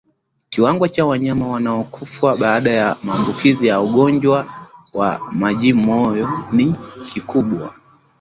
Kiwango cha wanyama wanaokufa baada ya maambukizi ya ugonjwa wa majimoyo ni kikubwa